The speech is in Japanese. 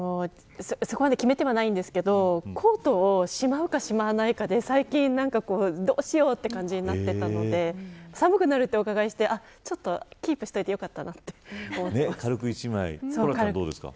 そこまで決めてはないんですけどコートをしまうかしまわないかで最近どうしようって感じになっていたので寒くなるとお伺いしてキープしておいてトラちゃん、どうですか。